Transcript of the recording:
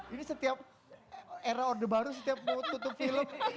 ini setiap era orde baru setiap mau tutup film